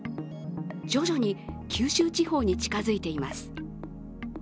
徐々に九州地方に近付いています。